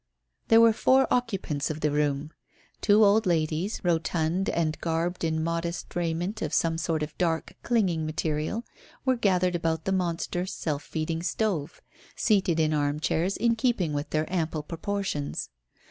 There were four occupants of the room. Two old ladies, rotund, and garbed in modest raiment of some sort of dark, clinging material, were gathered about the monster self feeding stove, seated in arm chairs in keeping with their ample proportions.